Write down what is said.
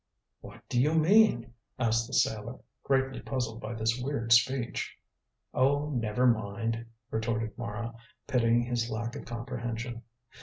"What do you mean?" asked the sailor, greatly puzzled by this weird speech. "Oh, never mind," retorted Mara, pitying his lack of comprehension.